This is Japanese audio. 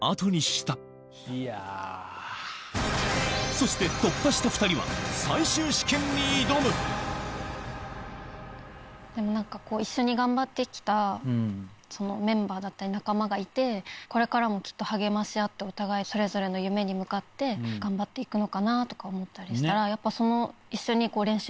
そして突破したでも一緒に頑張ってきたメンバーだったり仲間がいてこれからもきっと励まし合ってお互いそれぞれの夢に向かって頑張っていくのかなとか思ったりしたらやっぱその。